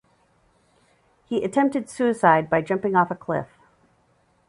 He attempted suicide by jumping off a cliff.